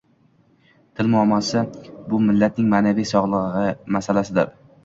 Til muammosi — bu millatning ma’naviy sog‘lig‘i masalasidir